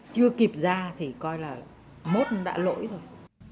chưa kịp ra thì coi là mốt đã lỗi thôi